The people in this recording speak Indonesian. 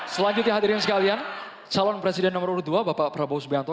selanjutnya hadirin sekalian calon presiden nomor dua bapak prabowo subianto